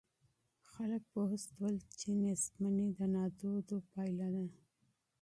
خلګ پوه سول چي فقر د نادودو پایله ده.